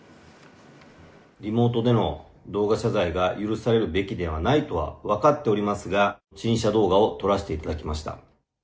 リモートでの動画謝罪が許されるべきではないとは分かっておりますが、陳謝動画を撮らせていただきました。